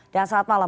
dan selamat malam